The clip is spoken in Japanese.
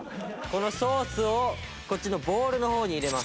このソースをこっちのボウルの方に入れます。